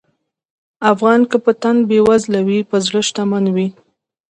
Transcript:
افغان که په تن بېوزله وي، په زړه شتمن وي.